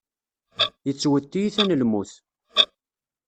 Yettwet tiyita n lmut.